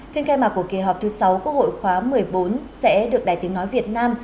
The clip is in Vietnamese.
phiên khai mạc của kỳ họp thứ sáu quốc hội khóa một mươi bốn sẽ được đài tiếng nói việt nam